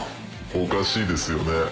おかしいですよね。